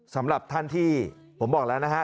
สำหรับท่านที่ผมบอกแล้วนะฮะ